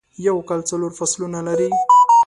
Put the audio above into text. یو کال څلور فصلونه لری